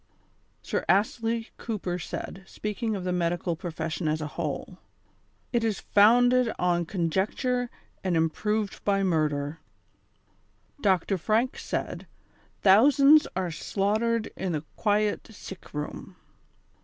Sir Astley Cooper said, speaking of the medical profes sion as a whole :" It is founded on conjecture and im proved by murder." Dr. Franke said :" Thousands are slaughtered in the quiet sick room."